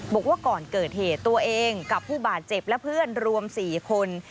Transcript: บอกว่าก่อนเกิดเหตุตัวเองกับผู้บาดเจ็บและเพื่อนรวม๔คน